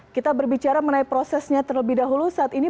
kita berbicara mengenai prosesnya terlebih dahulu saat ini